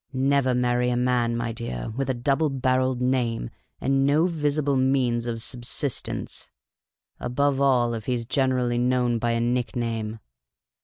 Never marry a man, my dear, with a double barrelled name and no visible means of subsistence ; above all, if he 's generally known by a nickname.